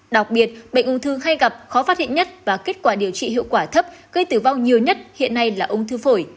đặc biệt bệnh ung thư hay gặp khó phát hiện nhất và kết quả điều trị hiệu quả thấp gây tử vong nhiều nhất hiện nay là ung thư phổi